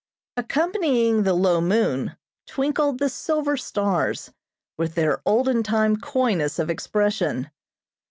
Accompanying the low moon twinkled the silver stars with their olden time coyness of expression.